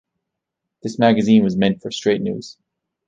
This magazine was meant for straight news.